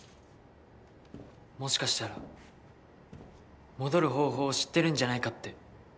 もしかしたら戻る方法を知ってるんじゃないかって。